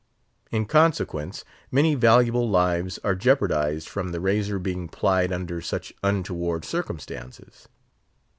In consequence, many valuable lives are jeopardised from the razor being plied under such untoward circumstances.